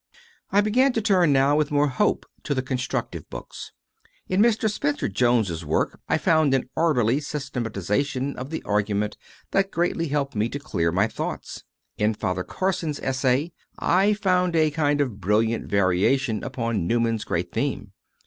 I began to turn now with more hope to the con structive books. In Mr. Spencer Jones s work I found an orderly systematization of the argument that greatly helped me to clear my thoughts; in Father Carson s essay I found a kind of brilliant variation upon Newman s great theme.